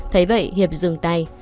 thấy vậy hiệp dừng tay